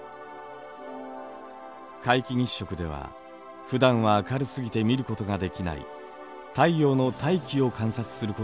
皆既月食ではふだんは明るすぎて見ることができない太陽の大気を観察することができます。